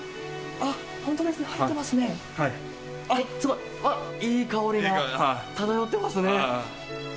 あっ、すごい。あっ、いい香りが漂ってますね。